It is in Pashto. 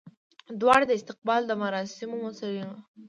دواړه د استقبال مراسمو مسولین وو.